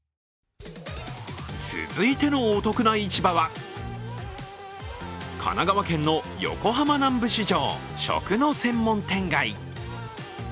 続いてのお得な市場は、神奈川県の横浜南部市場食の専門店街。